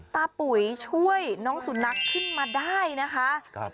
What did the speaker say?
ปุ๋ยช่วยน้องสุนัขขึ้นมาได้นะคะ